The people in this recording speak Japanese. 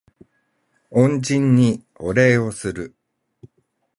恩人にお礼をする